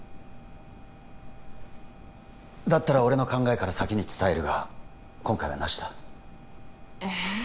だったら俺の考えから先に伝えるが今回はなしだえーっ